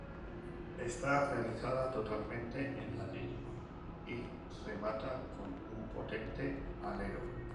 Está realizada totalmente en ladrillo y remata con un potente alero.